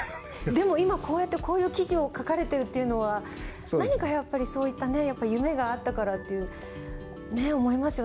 でも今こうやってこういう記事を書かれてるっていうのは何かやっぱりそういったね夢があったからっていう思いますよねえ。